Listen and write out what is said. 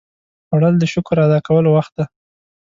خوړل د شکر ادا کولو وخت دی